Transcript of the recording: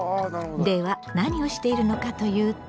では何をしているのかというと。